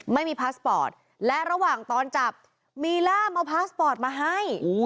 พาสปอร์ตและระหว่างตอนจับมีล่ามเอาพาสปอร์ตมาให้